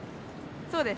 そうです。